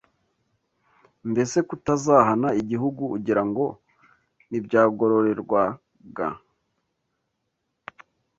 Mbese kutazahana igihugu ugirango ntibyagororerwaga